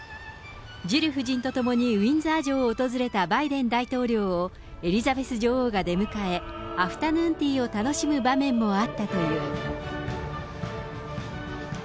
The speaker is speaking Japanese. ジル夫人と共にウインザー城を訪れたバイデン大統領をエリザベス女王が出迎え、アフタヌーンティーを楽しむ場面もあったという。